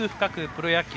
プロ野球」